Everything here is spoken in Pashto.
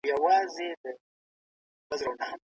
کله چي دولت زورور سي ظلم کوي.